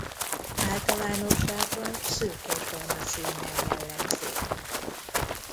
Általánosságban szürkésbarna színnel jellemzik.